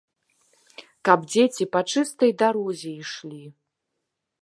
Каб дзеці па чыстай дарозе ішлі!